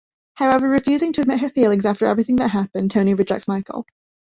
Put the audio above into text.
However, refusing to admit her feelings after everything that happened, Toni rejects Michael.